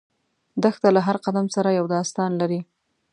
دښته له هر قدم سره یو داستان لري.